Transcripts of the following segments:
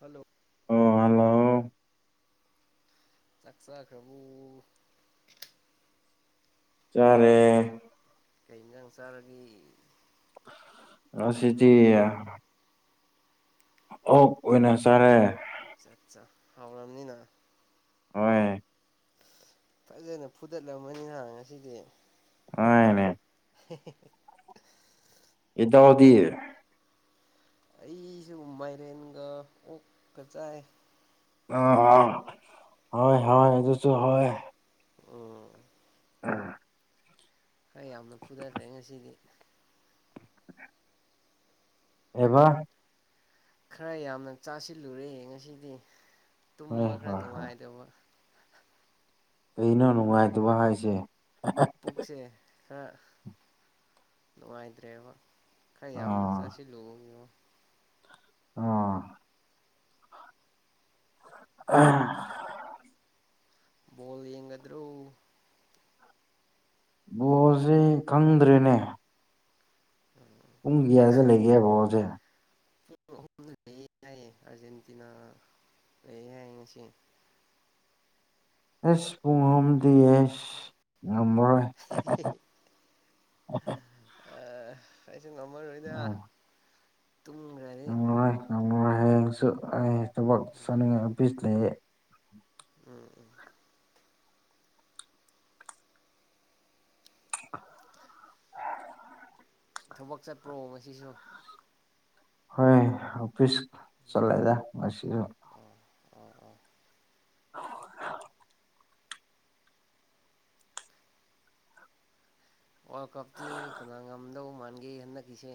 hello ꯑꯣ hello ꯆꯥꯛ ꯆꯥꯈꯔꯕꯣ ꯆꯥꯔꯦ ꯀꯩ ꯏꯟꯖꯥꯡ ꯆꯥꯔꯒꯦ ꯉꯁꯤꯗꯤ ꯑꯣꯛ ꯑꯣꯏꯅ ꯆꯥꯔꯦ ꯑꯠꯆꯥ ꯑꯠꯆꯥ ꯍꯥꯎꯔꯝꯅꯤꯅ ꯍꯣꯏꯅꯦ ꯐꯖꯅ ꯐꯨꯗꯠꯂꯝꯃꯅꯤ ꯍꯥ ꯉꯁꯤꯗꯤ ꯍꯣꯢꯅꯦ [unintelligible] ꯏꯇꯥꯎꯗꯤ ꯑꯩꯁꯨ ꯃꯥꯏꯔꯦꯟꯒ ꯑꯣꯛꯀ ꯆꯥꯏ ꯑ ꯑ ꯍꯣꯢ ꯍꯣꯢ ꯑꯗꯨꯁꯨ ꯍꯥꯎꯢ ꯎꯝ ꯎꯝ ꯈꯔ ꯌꯥꯝꯅ ꯐꯨꯊꯈ꯭ꯔꯦ ꯉꯁꯤꯗꯤ ꯀꯩꯕ ꯈꯔ ꯌꯥꯝꯅ ꯆꯥꯁꯤꯜꯂꯨꯔꯦ ꯉꯁꯤꯗꯤ ꯍꯣꯏ ꯇꯨꯝꯕ ꯈꯔ ꯍꯣꯏ ꯍꯣꯏ ꯅꯨꯡꯉꯥꯏꯇꯕ ꯀꯩꯅꯣ ꯅꯨꯡꯉꯥꯏꯇꯕ ꯍꯥꯏꯁꯦ ꯄꯨꯛꯁꯦ ꯈꯔ ꯅꯨꯡꯉꯥꯏꯇ꯭ꯔꯦꯕ ꯈꯔ ꯌꯥꯝꯅ ꯑꯥ ꯆꯥꯁꯤꯂꯨꯕꯒꯤꯉꯣ ꯑꯥ ꯑꯥ ꯕꯣꯜ ꯌꯦꯡꯒꯗ꯭ꯔꯣ ꯕꯣꯜꯁꯦ ꯈꯪꯗ꯭ꯔꯦꯅꯦ ꯄꯨꯡ ꯀꯌꯥꯗ ꯂꯩꯒꯦ ꯕꯣꯜꯁꯦ ꯑꯔꯖꯦꯟꯇꯤꯅꯥ ꯂꯩ ꯍꯥꯏ ꯉꯥꯁꯤ ꯑꯦꯁ ꯄꯨꯡ ꯑꯍꯨꯝꯗꯤ ꯑꯦꯁ ꯉꯝꯃꯔꯣꯏ ꯑ ꯑꯩꯁꯨ ꯉꯝꯃꯔꯣꯏꯗ ꯑ, ꯇꯨꯝꯈ꯭ꯔꯗꯤ ꯉꯥꯝꯃꯔꯣꯢ ꯍꯌꯦꯡꯁꯨ ꯑꯩ ꯊꯕꯛ ꯆꯠꯅꯤꯡꯉꯥꯏ ꯑꯣꯐꯤꯁ ꯂꯩꯌꯦ ꯎꯝ ꯎꯝ ꯊꯕꯛ ꯆꯠꯄ꯭ꯔꯣ ꯉꯁꯤꯁꯨ ꯍꯣꯏ ꯑꯣꯐꯤꯁ ꯆꯠꯂꯦꯗ ꯉꯁꯤꯁꯨ ꯑꯣ ꯑꯣ ꯑꯣ ꯋꯥꯔꯜ ꯀꯞꯇꯤ ꯀꯅꯥ ꯉꯝꯗꯧ ꯃꯥꯟꯒꯦ ꯍꯟꯗꯛꯀꯤꯁꯦ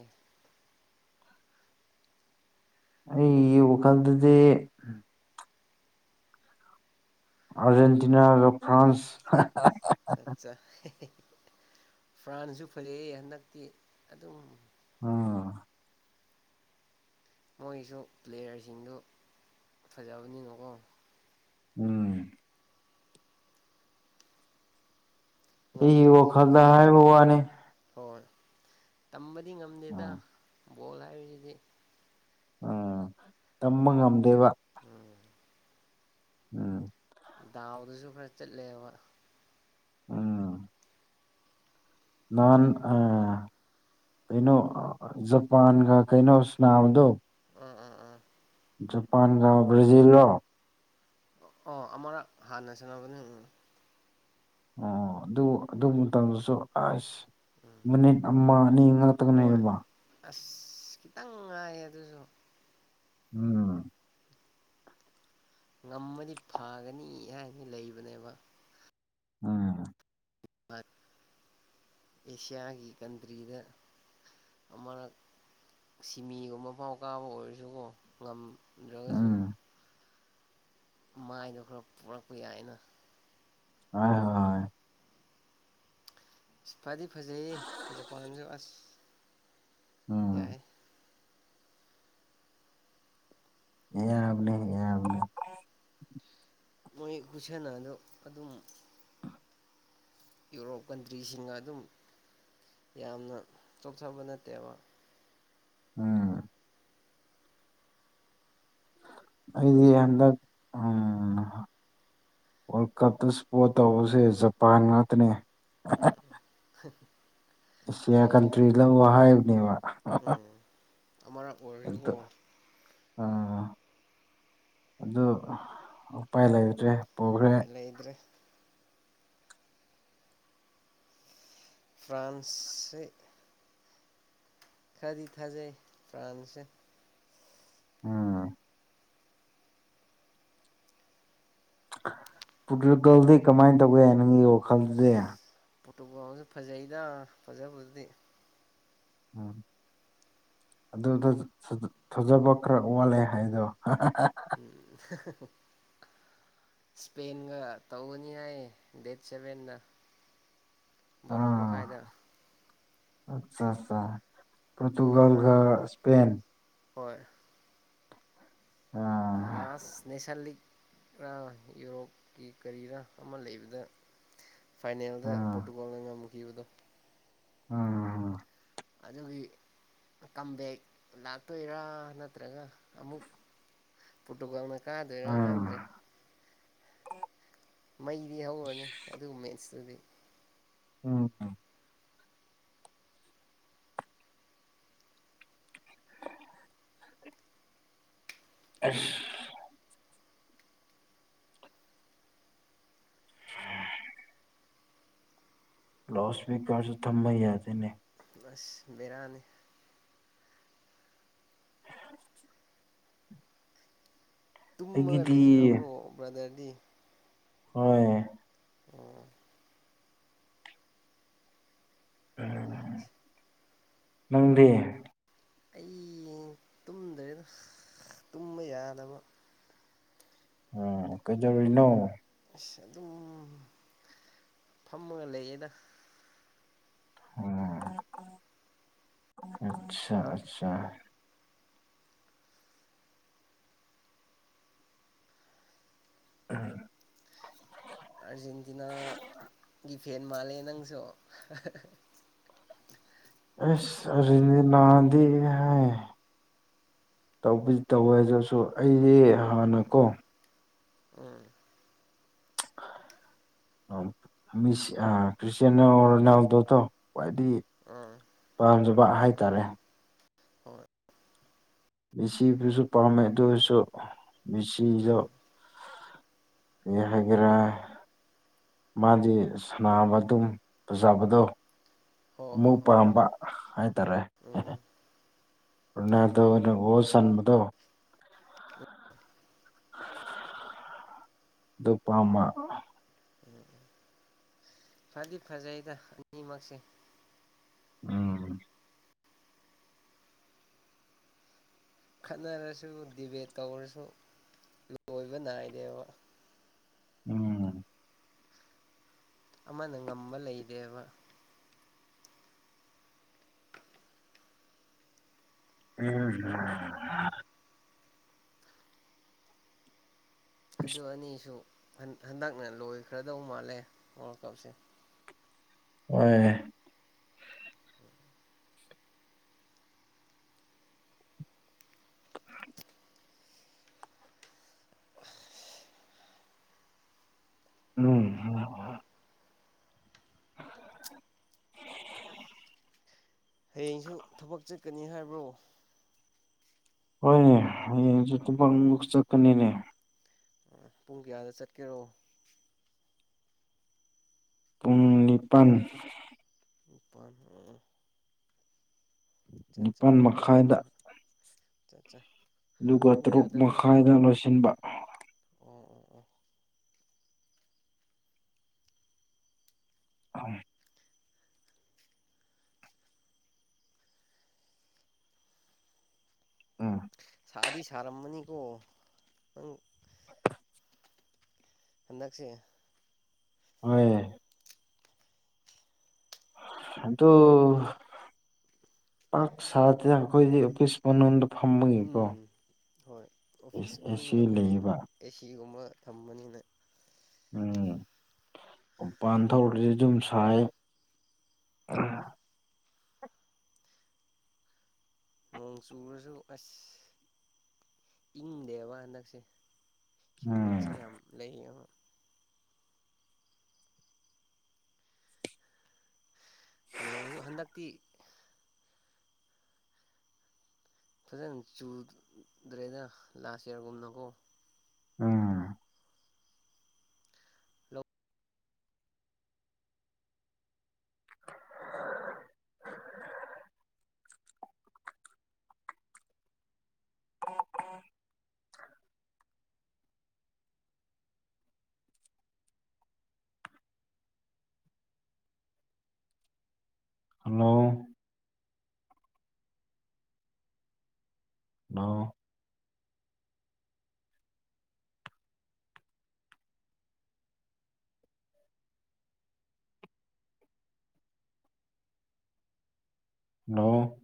ꯑꯩꯒꯤ ꯋꯥꯈꯜꯗꯗꯤ ꯑꯔꯖꯦꯟꯇꯤꯅꯥꯒ ꯐ꯭ꯔꯥꯟꯁ ꯑꯠꯆꯥ ꯆꯥ ꯐ꯭ꯔꯥꯟꯁꯨ ꯐꯩꯌꯦ ꯍꯟꯗꯛꯇꯤ ꯑꯗꯨꯝ ꯎꯝ ꯃꯣꯏꯁꯨ ꯄ꯭ꯂꯦꯌꯔꯁꯤꯡꯗꯨ ꯐꯖꯕꯅꯤꯅꯀꯣ ꯎꯝ ꯑꯩꯒꯤ ꯉꯝꯗꯧꯗꯤ ꯋꯥꯈꯜꯗ ꯍꯥꯏꯕ ꯋꯥꯅꯦ ꯍꯣꯏ ꯇꯝꯕꯗꯤ ꯉꯝꯗꯦꯗ ꯎꯝ ꯕꯣꯜ ꯍꯥꯏꯕꯁꯤꯗꯤ ꯎꯝ ꯇꯝꯕ ꯉꯝꯗꯦꯕ ꯎꯝ ꯎꯝ ꯗꯥꯎꯗꯁꯨ ꯈꯔ ꯆꯠꯂꯦꯕ ꯎꯝ ꯅꯥꯟ ꯑ ꯀꯩꯅꯣ ꯖꯄꯥꯟꯒ ꯀꯩꯅꯣ ꯁꯥꯅꯥꯕꯗꯣ ꯎꯝ ꯎꯝ ꯎꯝ ꯖꯄꯥꯟꯒꯥ ꯕ꯭ꯔꯥꯖꯤꯜꯂꯣ ꯑꫭ ꯑꯃꯔꯛ ꯍꯥꯟꯅ ꯁꯟꯅꯕꯅꯦ ꯎꯝ ꯑꯣ ꯑꯗꯨ ꯑꯗꯨ ꯃꯇꯝꯗꯁꯨ ꯑꯁ ꯃꯤꯅꯤꯠ ꯑꯃ ꯑꯅꯤ ꯍꯣꯏ ꯉꯥꯛꯇꯒꯅꯦꯕ ꯑꯁ ꯈꯤꯇꯪ ꯉꯥꯏꯌꯦ ꯑꯗꯨꯁꯨ ꯎꯝ ꯉꯝꯃꯗꯤ ꯐꯒꯅꯤ ꯍꯥꯏꯅ ꯂꯩꯕꯅꯦꯕ ꯎꯝ ꯃꯥ ꯑꯦꯁꯤꯌꯥꯒꯤ ꯀꯟꯇ꯭ꯔꯤꯗ ꯑꯃꯔꯛ ꯁꯤꯃꯤꯒꯨꯝꯕ ꯐꯥꯎ ꯀꯥꯕ ꯑꯣꯏꯔꯁꯨꯀꯣ ꯉꯝ ꯗꯔꯒꯁꯨ ꯎꯝ ꯃꯥꯏꯗꯣ ꯈꯔ ꯄꯣꯔꯛꯄ ꯌꯥꯏꯅ [unintelligible] ꯑꯁ ꯐꯗꯤ ꯐꯖꯩꯌꯦ ꯖꯄꯥꯟꯁꯨ ꯑꯁ ꯎꯝ ꯌꯥꯏ ꯌꯥꯕꯅꯦ ꯌꯥꯕꯅꯦ ꯃꯣꯏ ꯈꯨꯁꯟꯅꯗꯣ ꯑꯗꯨꯝ ꯌꯨꯔꯣꯞ ꯀꯟꯇ꯭ꯔꯤꯁꯤꯡꯒ ꯑꯗꯨꯝ ꯌꯥꯝꯅ ꯆꯣꯛꯊꯕ ꯅꯠꯇꯦꯕ ꯎꯝ ꯑꯩꯗꯤ ꯍꯟꯗꯛ ꯎꯝ ꯋꯥꯔꯜ ꯀꯞꯇ ꯁꯄꯣꯔꯠ ꯇꯧꯕꯁꯦ ꯖꯄꯥꯟ ꯉꯥꯛꯇꯅꯦ ꯎꯝ [unintelligible] ꯑꯦꯁꯤꯌꯥ ꯐꯖꯩꯌꯦ ꯀꯟꯇ꯭ꯔꯤ ꯂꯧꯕ ꯍꯥꯏꯕꯅꯦꯕ ꯎꯝ ꯑꯃꯔꯛ ꯑꯣꯏꯔꯁꯨꯀꯣ ꯑꯗꯨ ꯑꯥ ꯑꯗꯨ ꯎꯄꯥꯏ ꯂꯩꯇ꯭ꯔꯦ ꯄꯨꯈ꯭ꯔꯦ ꯎꯄꯥꯏ ꯂꯩꯇ꯭ꯔꯦ ꯐ꯭ꯔꯥꯟꯁꯤ ꯈꯔꯗꯤ ꯊꯥꯖꯩ ꯐ꯭ꯔꯥꯟꯁꯦ ꯎꯝ ꯄꯨꯇꯨꯒꯜꯗꯤ ꯀꯃꯥꯏ ꯇꯧꯒꯦ ꯅꯪꯒꯤ ꯋꯥꯈꯜꯗꯗꯤ ꯄꯣꯔꯇꯨꯒꯜꯁꯨ ꯐꯖꯩꯗ ꯐꯖꯕꯕꯨꯗꯤ ꯎꯝ ꯑꯗꯨꯗ ꯊꯖꯕ ꯈꯔ ꯋꯥꯠꯂꯦ ꯍꯥꯏꯗꯣ [unintelligible] ꯏꯁꯄꯦꯟꯒ ꯇꯧꯒꯅꯤ ꯍꯥꯏꯌꯦ ꯗꯦꯠ ꯁꯦꯚꯦꯟꯗ ꯕꯥꯔꯣ ꯃꯈꯥꯏꯗ ꯑꯆꯥ ꯆꯥ ꯅꯍꯥꯟ ꯄꯣꯇꯨꯒꯜꯒ ꯏꯁꯄꯦꯟ ꯍꯣꯏ [unintelligible] ꯂꯥꯁ ꯅꯦꯁꯟ ꯂꯤꯒ ꯔ ꯌꯨꯔꯣꯞꯀꯤ ꯀꯔꯤꯔꯥ ꯑꯃ ꯂꯩꯕꯗ ꯐꯥꯏꯅꯦꯜꯗ ꯑꯥ ꯄꯣꯔꯇꯨꯒꯜꯅ ꯉꯝꯈꯤꯕꯗꯣ [unintelligible] ꯑꯗꯨꯒꯤ ꯀꯝꯕꯦꯛ ꯂꯥꯛꯇꯣꯏꯔꯥ ꯅꯠꯇ꯭ꯔꯒ ꯑꯃꯨꯛ ꯄꯣꯔꯇꯨꯒꯜꯅ ꯀꯥꯗꯣꯏꯔꯥ ꯑꯥ ꯈꯪꯗ꯭ꯔꯦ ꯃꯩꯗꯤ ꯍꯧꯔꯅꯤ ꯑꯗꯨ ꯃꯦꯠꯁꯇꯨꯗꯤ [unintelligible] [inaudible] ꯑꯁ ꯂꯥꯎꯠ ꯏꯁꯄꯤꯀꯔꯁꯨ ꯊꯝꯕ ꯌꯥꯗꯦꯅꯦ ꯑꯁ ꯕꯦꯔꯥꯅꯦ ꯇꯨꯝꯃꯒ ꯑꯩꯒꯤꯗꯤ ꯂꯩꯈ꯭ꯔꯕ꯭ꯔꯣ ꯕ꯭ꯔꯗꯔꯗꯤ ꯍꯣꯏ [unintelligible] ꯅꯪꯗꯤ ꯑꯩ ꯗ꯭ꯔꯦꯗ ꯇꯨꯝꯕ ꯌꯥꯗꯕ ꯎꯝ ꯀꯩꯗꯧꯔꯤꯅꯣ ꯑꯗꯨꯝ ꯐꯝꯃꯒ ꯂꯩꯌꯦꯗ ꯑꯣ ꯑꯁꯥ ꯑꯁꯥ [unintelligible] ꯑꯥꯔꯖꯦꯟꯇꯤꯅꯥꯒꯤ ꯐꯦꯟ ꯃꯥꯜꯂꯦ ꯅꯪꯁꯨ ꯑꯦꯁ ꯑꯥꯔꯖꯦꯟꯇꯤꯅꯥꯗꯤ ꯍꯥꯏ ꯇꯧꯕꯨꯗꯤ ꯇꯧꯋꯦ ꯑꯗꯨꯁꯨ ꯑꯩꯗꯤ ꯍꯥꯟꯅꯀꯣ ꯎꯝ [unintelligible] ꯑꯥ ꯃꯤ ꯑꯥ ꯀ꯭ꯔꯤꯁꯇꯌꯥꯅꯣ ꯔꯣꯅꯥꯜꯗꯣꯗꯣ ꯈ꯭ꯋꯥꯏꯗꯒꯤ ꯎꯝ ꯄꯥꯝꯖꯕ ꯎꯝ ꯎꯝ ꯍꯥꯏꯇꯥꯔꯦ ꯍꯣꯏ ꯃꯦꯁꯤꯗꯨꯁꯨ ꯄꯥꯝꯃꯦ ꯑꯗꯨ ꯑꯣꯏꯔꯁꯨ ꯃꯦꯁꯤꯗꯣ ꯎꯝ ꯀꯔꯤ ꯍꯥꯏꯒꯦꯔꯥ ꯃꯥꯗꯤ ꯁꯥꯟꯅꯕ ꯑꯗꯨꯝ ꯐꯖꯕꯗꯣ ꯍꯣꯏ ꯑꯃꯨꯛ ꯍꯣꯏ ꯍꯣꯏ ꯄꯥꯝꯕ ꯍꯥꯏꯇꯥꯔꯦ ꯎꯝ ꯔꯣꯅꯥꯜꯗꯣ ꯅꯥ ꯒꯣꯜ ꯆꯟꯕꯗꯣ ꯎꯝ ꯑꯗꯨ ꯄꯥꯝꯃ ꯎꯝ ꯐꯗꯤ ꯐꯖꯩꯌꯦꯗ ꯑꯅꯤꯃꯛꯁꯦ ꯎꯝ ꯈꯠꯅꯔꯁꯨ ꯗꯤꯕꯦꯠ ꯇꯧꯔꯁꯨ ꯂꯣꯏꯕ ꯅꯥꯏꯗꯦꯕ ꯎꯝ ꯑꯃꯅ ꯉꯝꯕ ꯂꯩꯇꯦꯕ ꯎꯝ [unintelligible] ꯑꯗꯨ ꯑꯅꯤꯁꯨ ꯍꯟ ꯍꯟꯗꯛꯅ ꯂꯣꯏꯈ꯭ꯔꯗꯧ ꯃꯥꯜꯂꯦ ꯋꯥꯔꯜ ꯀꯞꯁꯦ ꯑꯣꯏ [unintelligible] ꯎꯝ [unintelligible] ꯍꯌꯦꯡꯁꯨ ꯊꯕꯛ ꯆꯠꯀꯅꯤ ꯍꯥꯏꯕ꯭ꯔꯣ ꯍꯣꯏꯅꯦ ꯍꯌꯦꯡꯁꯨ ꯊꯕꯛ ꯑꯃꯨꯛ ꯆꯠꯀꯅꯤꯅꯦ ꯄꯨꯡ ꯀꯌꯥꯗ ꯆꯠꯀꯦꯔꯣ ꯄꯨꯡ ꯅꯤꯄꯥꯟ ꯄꯝꯃꯦ [unintelligible] ꯆꯥ ꯆꯥ ꯅꯤꯄꯥꯜ ꯄꯨꯡ ꯀꯌꯥꯗꯥ ꯃꯈꯥꯏꯗ ꯃꯨꯛ ꯆꯥ ꯆꯥ ꯑꯗꯨꯒ ꯄꯨꯡ ꯇꯔꯨꯛ ꯀꯌꯥꯗ ꯑꯃꯨꯛ ꯃꯈꯥꯏꯗ ꯂꯣꯏꯁꯤꯟꯕ ꯑꯣ ꯑꯣ ꯑꯣ ꯑꯍꯝ ꯎꯝ ꯁꯥꯗꯤ ꯁꯥꯔꯝꯃꯅꯤꯀꯣ ꯅꯪ ꯍꯟꯗꯛꯁꯦ ꯍꯣꯏ ꯑꯗꯣ ꯄꯥꯛ ꯁꯥꯗꯦꯅ ꯑꯩꯈꯣꯏꯗꯤ ꯑꯣꯐꯤꯁ ꯃꯅꯨꯡꯗ ꯐꯝꯕꯒꯤꯀꯣ ꯎꯝ ꯍꯣꯏ ꯑꯣꯐꯤꯁ ꯑꯦꯁꯤ ꯃꯅꯨꯡꯗꯕꯨꯗꯤ ꯂꯩꯌꯦꯕ ꯑꯦꯁꯤꯒꯨꯝꯕ ꯊꯝꯕꯅꯤꯅ ꯎꯝ ꯃꯄꯥꯟ ꯊꯣꯛꯔꯗꯤ ꯑꯗꯨꯨꯝ ꯎꯝ ꯁꯥꯏꯌꯦ ꯅꯣꯡ ꯆꯨꯔꯁꯨ ꯑꯁ ꯏꯪꯗꯦꯕ ꯍꯟꯗꯛꯁꯦ ꯎꯝ ꯆꯨꯏꯃꯤꯠꯁꯦ ꯌꯥꯝ ꯂꯩꯌꯦꯕ ꯅꯣꯡꯁꯨ ꯍꯟꯗꯛꯇꯤ ꯐꯖꯅ ꯆꯨꯗ꯭ꯔꯦꯗ ꯂꯥꯁ ꯌꯥꯔꯒꯨꯝꯅꯀꯣ ꯎꯝ ꯂꯧ [unintelligible] [unintelligible] ꯍꯜꯂꯣ ꯍꯜꯂꯣ ꯍꯜꯂꯣ